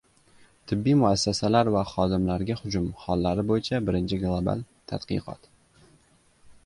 Tibbiy muassasalar va xodimlarga hujum hollari bo‘yicha birinchi global tadqiqot